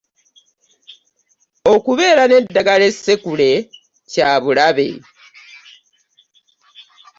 Okubeera n’eddagala essekule kyabulabe.